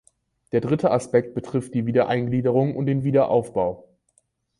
Der dritte Aspekt betrifft die Wiedereingliederung und den Wiederaufbau.